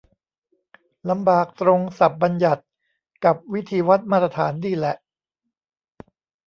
ลำบากตรงศัพท์บัญญัติกับวิธีวัดมาตรฐานนี่แหละ